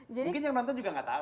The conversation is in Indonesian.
mungkin yang nonton juga nggak tahu